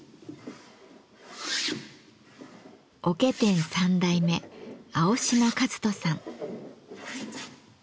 桶店３代目青島和人さん。